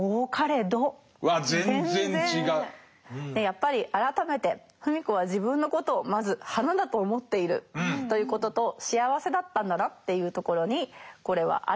やっぱり改めて芙美子は自分のことをまず花だと思っているということと幸せだったんだなっていうところにこれは表れてると思います。